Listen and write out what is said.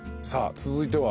続いては。